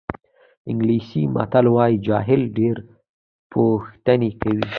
انګلیسي متل وایي جاهل ډېرې پوښتنې کوي.